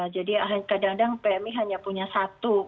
jadi kadang kadang pmi hanya punya satu